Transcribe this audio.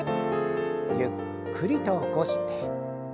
ゆっくりと起こして。